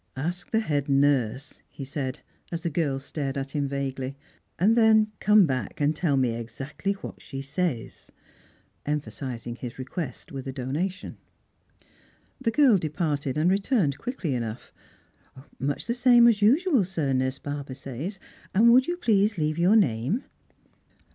" Ask the head nurse," he said, as the girl stai ed at him vaguely, " and then come back and tell me exactly what she says," emphasising his request with a donation. The girl departed, and returned quickly enough. " Much the same as usual, sir, Nurse Barber says, and would you please leave your name